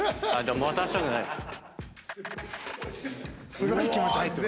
すごい気持ち入ってる。